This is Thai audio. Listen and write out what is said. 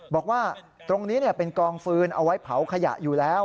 บอกว่าตรงนี้เป็นกองฟืนเอาไว้เผาขยะอยู่แล้ว